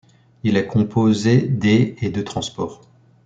Il est composé des et de transport.